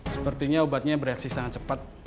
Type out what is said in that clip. sepertinya obatnya bereaksi sangat cepat